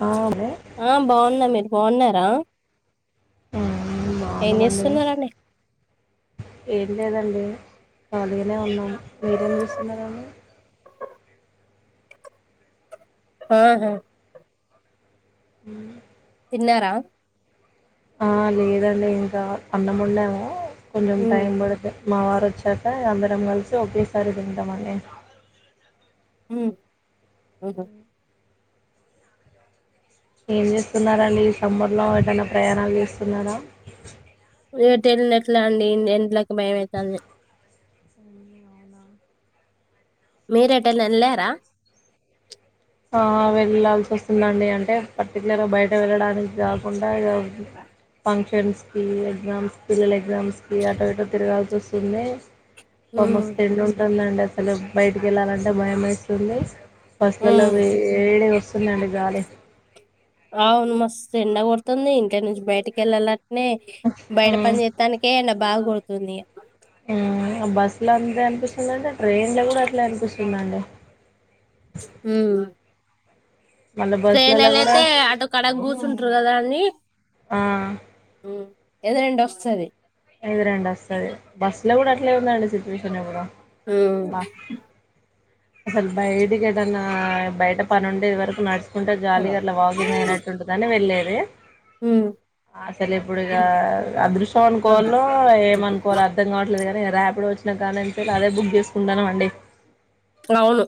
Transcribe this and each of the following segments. ఆ అదే ఆ బాగున్న మీరు బావునర ఆ బాగున్నామండి ఏంచేస్తున్నారండీ ఏం లేదండి కాలినే ఉన్నాను మీరేం చూస్తున్నారండి ఆహా హు తిన్నారా ఆ లేదండి ఇంకా అన్నం వండాము కొంచెం ఉమ్ టైం పడుతదు మా వారు వచ్చాక అందరం కలిసి ఒకేసారి తిందామని ఉమ్ ఊహూ ఏం చేస్తున్నారా అండి ఈ సమ్మర్ లో ఏదైనా ప్రయాణాలు చేస్తున్నారా ఏ తెలిన ఎట్లా అండి ఎట్లోకి భయంమవుతుంది ఉమ్, అవునా మీరేట నేల్లారా ఆ వెళ్లాల్సి వస్తుందండి అంటే పర్టికులర్గా బయట వెళ్ళడానికి కాకుండా ఇ ఫంక్షన్స్ కి ఎగ్జామ్స్ పిల్లల పిల్లలు ఎగ్జామ్స్ కి అటూ ఇటూ తిరగాల్సి వస్తుంది ఉరువే ఇ ఉమ్ మస్తు ఎండ వుంటుంద్దాండి అసలు బయటకి వెళ్ళాలంటే భయం వేస్తుంది ఫస్ట్ ఇల ఉమ్ ఏడి వస్తుందండి గాలి అవును మస్తు ఎండ కొడుతుంది ఇంకా నుంచి బయటికి వెళ్ళాల న బయట హ్మ్. పని చేస్తానికే బాగా కొడుతుంది ఆ ఆ బస్ లో అంత అనిపిస్తుందిండి ఆ ట్రైన్ లో కూడా అట్లా అనిపిస్తుందండి ఉమ్ మళ్ళీ ట్రైన్ల బస్సులలో కూడా అయితే అటు కడగ కూర్చుంటారు కదా అన్ని ఆ ఎద రెండి వస్తుంది అయిది రండి వస్తుంది బస్సు లో కూడా అట్లే ఉందండి సిచ్యువేషన్ ఇప్పుడు ఊ బా అసలు బయటి ఏదైన్నా బయట పనుండేది వరకు నడు కుంటే జాలీగా అట్లా వాకింగ్ అయినట్టుంటుందని వెళ్లేది ఏ అసలు ఇప్పుడుగ అదృశ్యం అనుకోవాలో ఏమనుకోలో అర్ధం కావట్లేదు కానీ రాపిడొ వచ్చి కానీంతే అదే బుక్ చేసుకుంటాను అండి అవును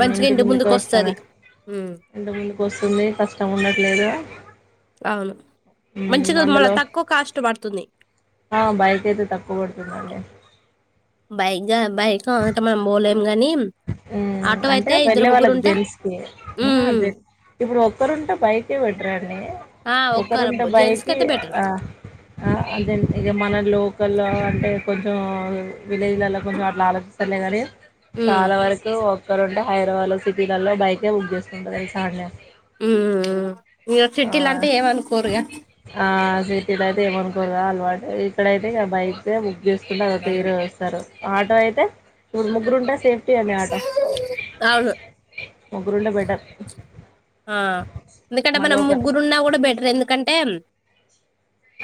మంచిగా ఇంటి ముందుకే ముందుకు వస్తారా వస్తది ఉమ్ ఇంటి ముందుకు వస్తుంది కష్టం ఉండట్లేదు అవును మంచిగా మళ్ళ అందులో తక్కువ కాస్ట్ పడుతుంది ఆ బయట అయితే తక్కువ పడుతుందండి బై మ్ ఆటో అంటే అయితే ఇద్దరు వెళ్ళే ముగ్గురు వాళ్ళకి ఉంటే తెల్స్స్ కి ఉమ్, జ ఇప్పుడు ఒకరుంటే బైకే బెటరండి ఆ ఒక్కరు ఒకరుంటే జెంట్స్ కి బైకి అయితే బెటర్ ఆ ఇక మన లో కొలో అంటే కొంచెం విలేజ్లలో కొంచెం అట్లా ఆల సర్లే కాని చాలా వరకు ఓక్కరుంటే హైదరాబాద్లో సిటీలల్లో బైకే బుక్ చేసుకుంటారు తెలుసా అండి ఇక ఆ సిటీలు అంటే ఏమనుకోరుగా ఆ సటీదయితే ఏమనుకోరుగా అలు ఇక్కడయితే ఇక బైకే చూసుకుంటే అ తీర వస్తారు ఆటో అయితే ఊరు ముగ్గురుంటే సేఫ్ అవును ముగ్గురుంటే బెటర్ ఆ ఎందుకంటే మళ్ళా మనం ఒక ముగ్గురు ఉన్నా కూడా బెటర్ ఎందుకంటే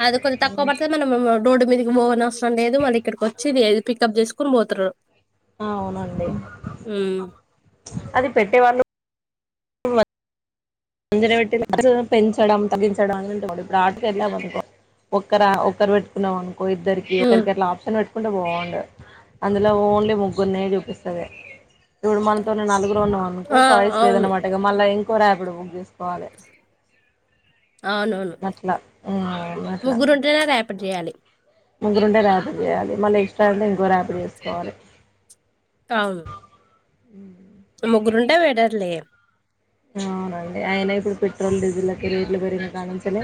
అది కొంచెం తక్కువ బడ్తది మనము రోడ్డు మీదకి బోవనవసరం లేదు మళ్ళీ ఇక్కడికి వచ్చిది ఎది పికప్ చేసుకొని పోతరు అవునండి అది పెట్టే వాళ్ళు [unintelligible] అంజన పెట్టి పెంచడం తగించడం అని ఉంటే ఇప్పుడు ఆటకు వెళ్ళాము అనుకో ఒక్కర ఒక్కరు పెట్టుకున్నాం అనుకో ఇద్దరుకి ఉమ్, ఒకరికి అట్ల ఆప్షన్ పెట్ కుంటే బాగుండు అందులో ఓన్లీ ముగ్గుర్నే చూపిస్తుంది ఇప్పుడు మనతోని నలుగురు రున్నమనుకో ఆ ఛాయిస్ అవును లేదనమాటిగ మళ్ళా ఇ కొ రాపిడో చేసుకోవాలి అవునవును అట్లా అట్లా ముగ్గురుంటేనే రే పట్టియ్యాలి ముగ్గురుంటే రాపిడో చేయాలి మళ్ళీ ఎక్స్ట్రా ఉంటే ఇంకో రాపిడో చేసుకోవాలె ఔను మ్ ముగ్గురుంటే బెటర్లే అవునండి అయిన ఇప్పుడు పెట్రోల్ డీజిల్ లకి రేట్లు పెరిన కాన్నించల్లే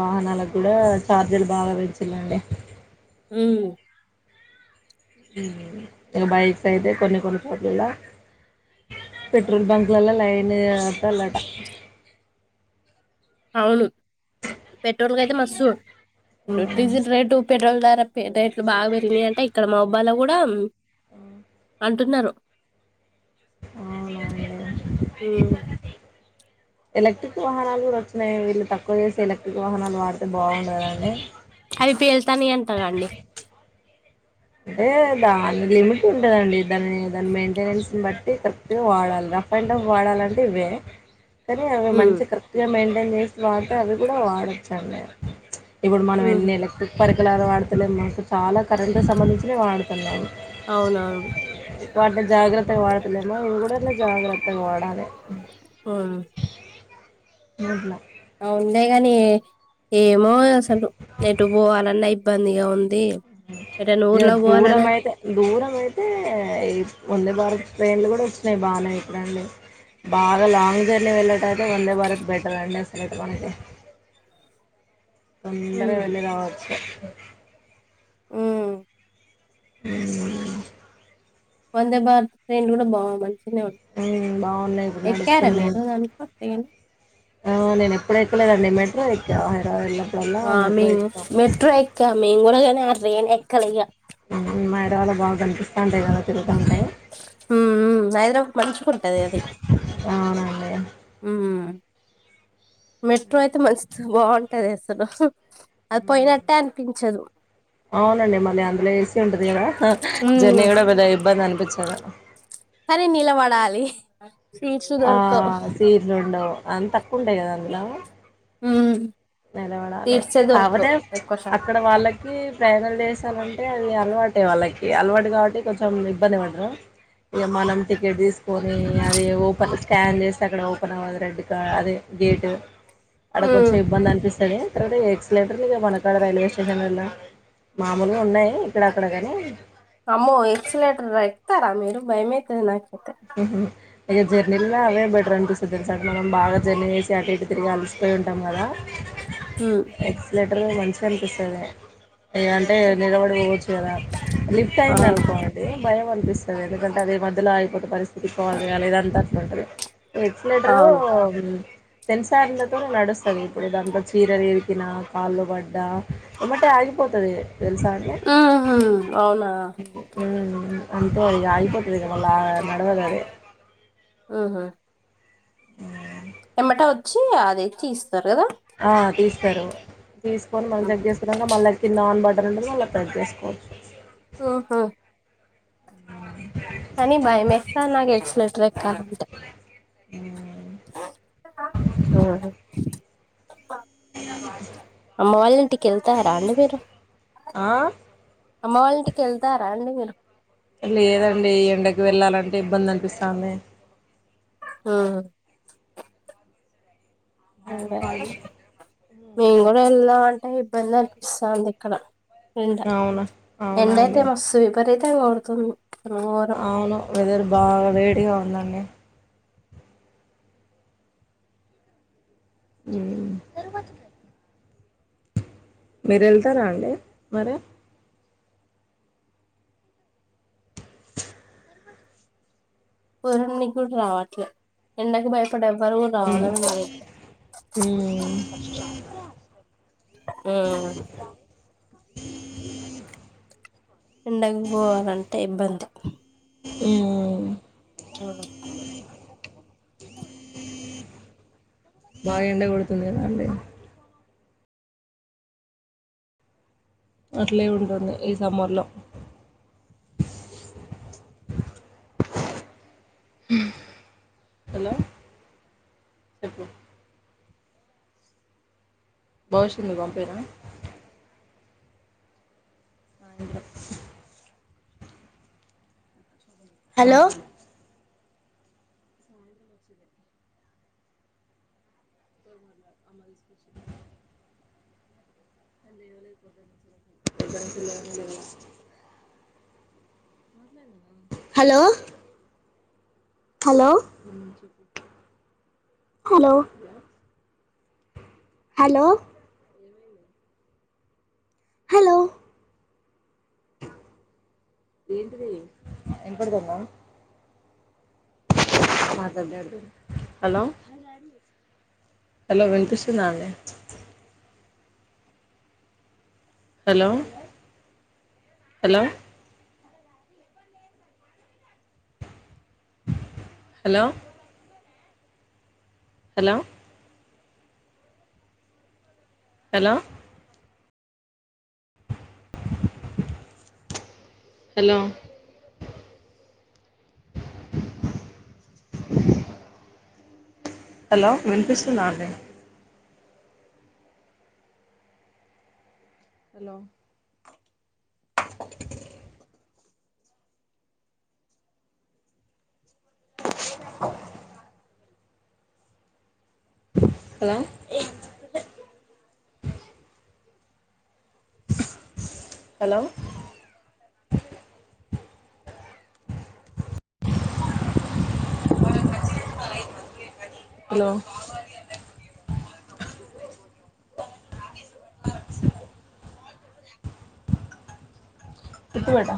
వాహనాలకు కూడా ఛార్జీలు బాగా పెంచిల్లండి మ్ ఇక బైక్ అయితే కొన్ని కొన్ని చోట్లల్ల పెట్రోల్ బంక్లలో లైన్ ఎత్తాలట అవును పెట్రోల్ కయితే మస్తు హ్మ్. డీజిల్ రేటు పెట్రోల్ ధరా [unintelligible] ఇ బా పెరిగింది అంటే ఇక్కడ మా అ వాళ కూడా అంటున్నారు అవునండి అ ఎలక్ట్రిక్ వాహనాలు కూడా వచ్చినాయి వీళ్ళు తక్కువ చేసి ఎలక్ట్రిక్ వాహనాలు వాడితే బాగుండదండి అవి పేల్తాను ఎంత కాండి అంటే దాని లిమిట్ ఉంటందండి దాని దాని మెయింటెనెన్స్ బట్టి కరెక్ట్ గా వాడాలి రఫ్ అండ్ రఫ్ వాడాలంటే ఇవే సరే అవి మంచిగా కరెక్ట్ గా మం చేస్ వాట అది కూడా వాడొచ్చు అండి ఇప్పుడు మనం ఎన్నిళ్ళ కుప్పరికి ఎల వాతులే మా చాలా కరం సంబంధించిన వాడుతున్నాను. అవునవును వాటిని జాగ్రత్తగా వాడుతులేమో ఇవి కూడా జాగ్రత్తగా వాడాలి. ఉమ్. నప్పు ఆ ఉందే గాని ఏ మో అసలు ఏటు పోవాలి పనిగా ఉంది అ ఎట ఇగ ఉర్లా దూరం పోవాలన్న అయితే దూరం అయితే ఈ వందే భారత్ ట్రైన్లు కూడా వస్తున్నాయి బాగానే ఇక్కడండి బాగా లాంగ్ జర్నీ వెళ్ళట్ట అయితే వందే భారత్ బెటర్ అండి అసలుయితే మనకి తొందర ఉమ్, వళ రావచ్చు స [inaudible] అ అ వందే భారత్ ట్రైన్ కూడా బాగుమంట బాగున్నాయి ఇప్పుడు నడుస్తున్నాను మీరు దాంట్లో ట్రైన్ ఆ నేను ఎప్పుడ ఎకులేదండి మ రైక్కడ వళ్ళ ఆ మంగ మెట్రో ఏక మేం రేన్ ఎక్కల మ ఇడళ్ళ బాగా కనిపిస్తాంటే ఇద తిరుకంటే హ అ మంచుకుంటది అది అవునండి మెట్రో అయితే మంచిది బాగుంటది అసలు అది పోయినట్టే అనిపించదు అవునండి మళ్ళీ అందులో వేసి ఉంటది కదా ఉమ్ జర్నీ కూడా పెద ఇబ్బంది అనిపించింది చ సరే నిలబడాలి సీట్స్ ఆ దొరకవు సీట్ రెండు అంత తక్కువ ఉంటాయి కదా అందుట్లో ఉ నిలబడాలి కాకపోతే ఎక్కువ శాతం అక్కడ వాళ్ళకి ప్రేరణలు చేసామంటే అది అలవాటే వాళ్ళకి అలవాటు కాబట్టి కొంచెం ఇబ్బంది పడారు ఇక మనం టికెట్ తీసుకొని అది ఓపెన్ స్కాన్ చేస్తే అక్కడ ఓపెన్ అవ్వదు రెడ్ క అదే గేట్ అడ కొంచం ఉమ్ ఇబ్బంది అని తర్వాత ఎక్సలెటర్ ఇక వనకాడ రైల్వే స్టేషన్ లాల్ల మామూలు ఉన్నాయి ఇక్కడ అక్కడ కాని భయమయితది నాకు ఆహా ఇక జర్నీల్లో అవే బెటర్ అనిపిస్తుంది సార్ట మనం బాగా జర్నీ వేసి అటు ఇటు తిరిగి అలిసిపోయి ఉంటాం కదా ఉమ్ ఎక్సలేటర్ మంచి కనిపిస్తది అంటే నిలబడిపోవచ్చు కదా లిఫ్ట్ ఆ అయింది అనుకోండి భయం అని అనిపిస్తది ఎందుకంటె అదే మధ్య లో ఆగి ఇటి పరిస్ తి పోవాలి కాలా ఇదంత అట్లా ఉంటది ఎక్స్లెటర్ అవును తెలుసా అండీ నడుస్తది ఇప్పుడు దాంట్లో చీరలు ఎరికినా కాళ్ళు పడ్డా ఎమటే ఆగిపోతుది అది తెలుసా అంటే ఉహు అవునా అంతె ఇగా అయిపోతుంది కదా లాగ మవే ఆహా అ ఎమట వచ్చి అదిచ్చి ఇస్తారు ఆ తీస్తారమ్మా తీసుకొని మళ్లీ చెక్ చేసుకురమ్మా మళ్ళ కింద ఆన్ బటన్ అ అలా పెట్ చేసుకోవచ్చు ఆహా అ నెట్్రక్ంట ఆ ఆ అ అమ్మ వాళ్ళ ఇంటికి వెళ్తారా అండి మీరు ఆ అమ్మ వాళ్ళ ఇంటికి వెళ్తారా అండి మీరు లేదండి ఎండకి వెళ్ళాలంటే ఇబ్బంది అనిపిస్తాంది ఉమ్ అవునా బాడుకాలు మేము కూడా ఎళదాం అంటే ఇబ్బంది అనిపిస్తాంది ఇక్కడ ఎండా అవునా అవునా ఎండైయితే అండి మస్తూ విపరీతగా ఎండే కొడుతుంది ఘోరం అవును వెదర్ బాగా వేడిగా ఉన్నా ఇంగా హ్మ్ మీరు వెళ్తారా అండి మరి పర్ కూడా రావట్లే ఎండకి భయప ఇప్పుడు ఎవ్వరు గూడా మ్మ్ రావడం లేదు మ్మ్ ఆ హ ఎండగపోవాలంటే ఇబ్బంది హ్మ్ మ బాగా ఎండా కొడుతుంది కదా అండి అట్లే ఉంటుంది ఈ సమ్మ్ ర్ లో హలో చెప్పు భవిష్యంది పంపనా అ hello [unintelligible] hello hello hello hello hello ఏంటిది ఐనపడతాందా హలో హలో వినిపిస్తుందా అండి hello hello hello hello hello hello hello వినిపిస్తుందా అండి హలో [inaudible] హలో హలో హలో తిప్పు అట